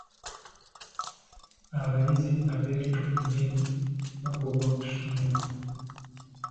Abayizi ab'emitwe eminene bagobwa ku ssomero.